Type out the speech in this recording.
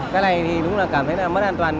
cái này thì đúng là cảm thấy là mất an toàn